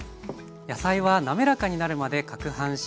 野菜はなめらかになるまでかくはんします。